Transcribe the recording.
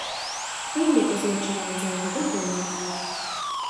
Film je označován za jeho vrcholné dílo.